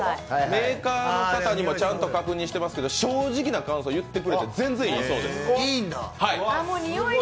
メーカーの方にもちゃんと確認してますけど正直な感想を言ってくれて全然いいそうです。